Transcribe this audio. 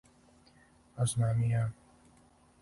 А знам и ја.